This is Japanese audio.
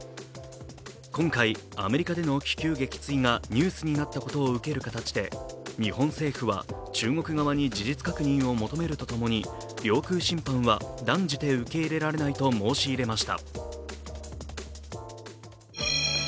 今回、アメリカでの気球撃墜がニュースになったことを受ける形で日本政府は中国側に事実確認を求めると共に、領空侵犯は断じて受け入れられないと申し入れました。